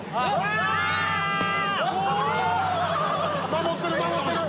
守ってる守ってる。